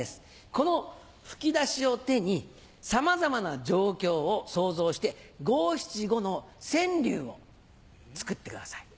この吹き出しを手にさまざまな状況を想像して五・七・五の川柳を作ってください。